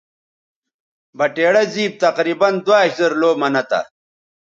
بٹیڑہ زِیب تقریباً دواش زر لَو منہ تھا